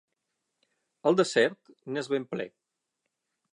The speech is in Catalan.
El desert n'és ben ple.